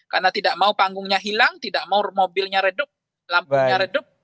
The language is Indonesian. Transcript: karena tidak mau panggungnya hilang tidak mau mobilnya redup lampunya redup